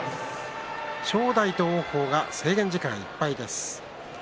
正代と王鵬が制限時間いっぱいです。